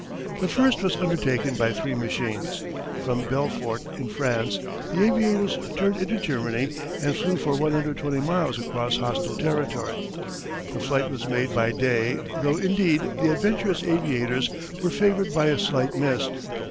The first was undertaken by three machines. From Belfort in France, the aviators turned into Germany and flew for 120 miles across hostile territory. The flight was made by day though indeed the adventurous aviators were favoured by a slight mist.